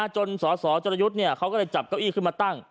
จนสศจรยุทธ์ก็จับเก้าอี้ขึ้นมาตั้ง